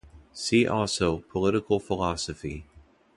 See also, Political philosophy.